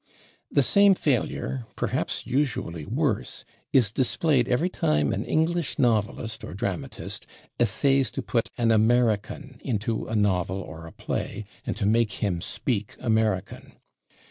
The same failure, perhaps usually worse, is displayed every time an English novelist or dramatist essays to put an American into a novel or a play, and to make him speak American.